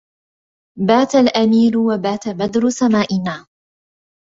بات الأمير وبات بدر سمائنا